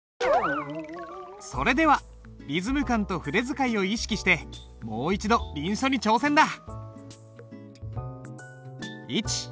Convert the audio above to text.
それではリズム感と筆使いを意識してもう一度臨書に挑戦だ。